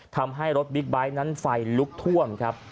ทำให้รถบิ๊กไบท์นั้นไฟลุกท่วมครับ